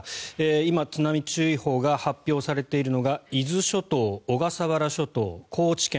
今、津波注意報が発表されているのが小笠原諸島、高知県